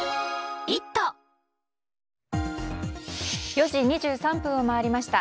４時２３分を回りました。